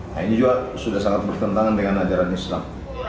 nah ini juga sudah sangat bertentangan dengan ajaran islam